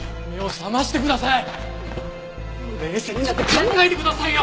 冷静になって考えてくださいよ！